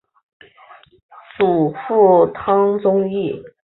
祖父汤宗义。